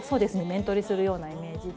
面取りするようなイメージで。